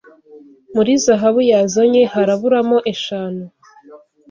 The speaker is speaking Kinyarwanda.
muri zahabu yazanye haraburamo eshanu